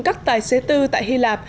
các tài xế tư tại hy lạp